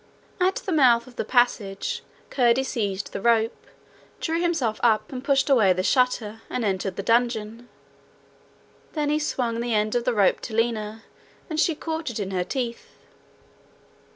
At the mouth of the passage Curdie seized the rope, drew himself up, pushed away the shutter, and entered the dungeon. Then he swung the end of the rope to Lina, and she caught it in her teeth.